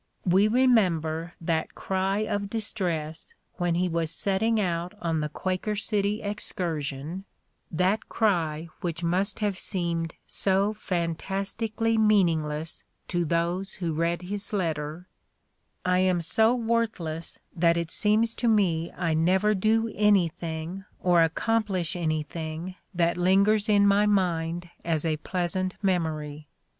We remember that cry of distress when he was setting out on the Quaker City excursion, that The Playboy in Letters 169 cry which must have seemed so fantastically meaning less to those who read his letter: "I am so worthless that it seems to me I never do anything or accomplish anything that lingers in my mind as a pleasant memory.'